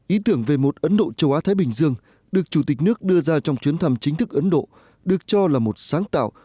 ý tưởng về một ấn độ châu á thái bình dương được chủ tịch nước đưa ra trong chuyến thăm chính thức ấn độ được cho là một sáng tạo